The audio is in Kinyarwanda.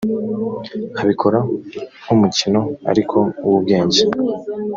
abikora nk’umukino ariko w’ubwenge